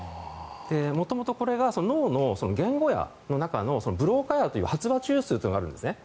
元々これが脳の言語野の中のブローカ野という発話中枢というのがあるんです。